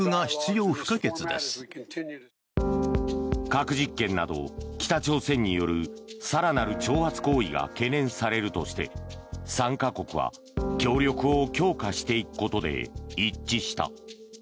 核実験など北朝鮮による更なる挑発行為が懸念されるとして３か国は協力を強化していくことで一致した。